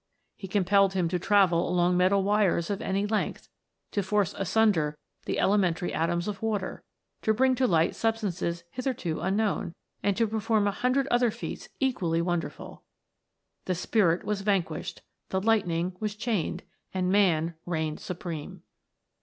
He compelled him to travel along metal wires of any length ; to force asunder the elementary atoms of water ; to bring to light sub stances hitherto unknown, and to perform a hundred other feats equally wonderful. The Spirit was van quished the lightning was chained and man reigned supreme.